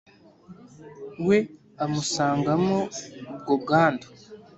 we amusangamo ubwo bwandu.